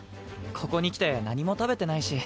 ここに来て何も食べてないし。